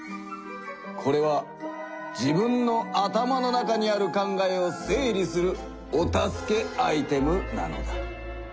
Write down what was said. これは自分の頭の中にある考えを整理するお助けアイテムなのだ。